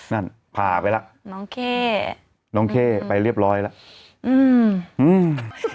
นั่นพาไปแล้วน้องเข้น้องเข้ไปเรียบร้อยแล้วอืมอืม